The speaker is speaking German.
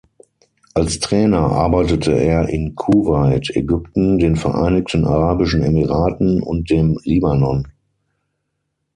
Als Trainer arbeitete er in Kuwait, Ägypten, den Vereinigten Arabischen Emiraten und dem Libanon.